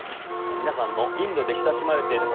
皆さんもインドで親しまれている